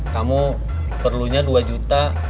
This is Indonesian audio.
kamu perlunya dua juta